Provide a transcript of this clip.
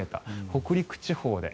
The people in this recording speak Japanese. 北陸地方で。